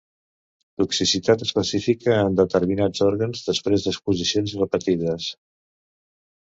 Toxicitat específica en determinats òrgans després d'exposicions repetides.